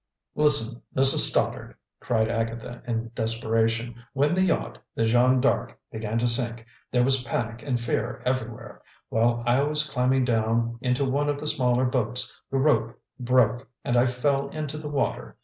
"Listen, Mrs. Stoddard!" cried Agatha in desperation. "When the yacht, the Jeanne D'Arc, began to sink, there was panic and fear everywhere. While I was climbing down into one of the smaller boats, the rope broke, and I fell into the water.